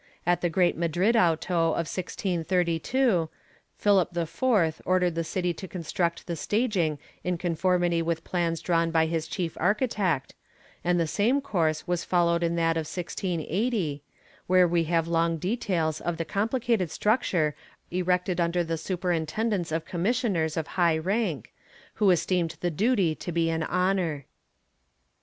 At the great Madrid auto of 1632, Philip IV ordered the city to construct the staging in conformity with plans drawn by his chief architect, and the same course was followed in that of 1680, where we have long details of the complicated structure erected under the superintendence of commissioners of high rank, who esteemed the duty to be an honor.